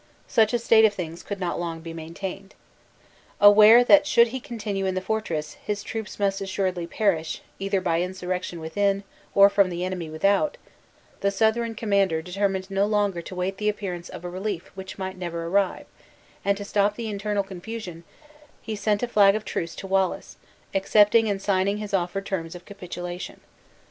Such a state of things could not be long maintained. Aware that should he continue in the fortress, his troops must assuredly perish, either by insurrection within, or from the enemy without, the Southron commander determined no longer to wait the appearance of a relief which might never arrive; and to stop the internal confusion, he sent a flag of truce to Wallace, accepting and signing his offered terms of capitulation.